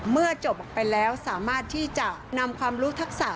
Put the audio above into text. เมื่อจบออกไปแล้วสามารถที่จะนำความรู้ทักษะ